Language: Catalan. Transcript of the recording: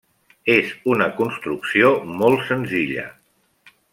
És una construcció molt senzilla.